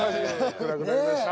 暗くなりました。